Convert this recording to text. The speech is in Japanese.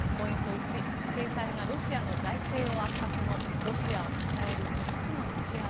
１制裁がロシアの財政を圧迫もロシアを支える３つの抜け穴。